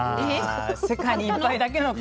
世界に１杯だけの「輝」。